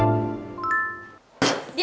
ya makasih ya